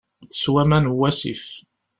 Teswa aman n wasif.